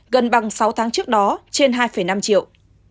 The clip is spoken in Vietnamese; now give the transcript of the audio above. gần bằng sáu tháng trước đó trên hai năm triệu